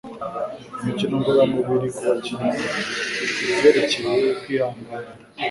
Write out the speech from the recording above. Imikino ngororamubiri kubakinnyi kubyerekeye kwihangana